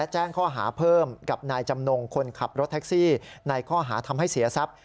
แจ้งข้อหาเพิ่มกับนายจำนงคนขับรถแท็กซี่ในข้อหาทำให้เสียทรัพย์